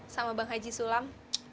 sama bang haji sulam